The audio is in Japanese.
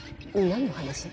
何の話？